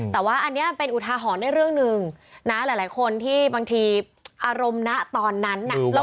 แต่ว่าอันนี้เป็นอุทาหรณ์ได้เรื่องหนึ่งนะหลายคนที่บางทีอารมณ์นะตอนนั้นน่ะ